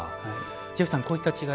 ジェフさん、こういった違い